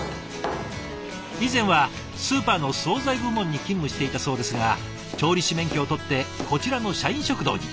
以前はスーパーの総菜部門に勤務していたそうですが調理師免許を取ってこちらの社員食堂に。